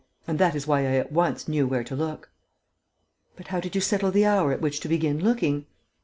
And that is why I at once knew where to look." "But how did you settle the hour at which to begin looking?"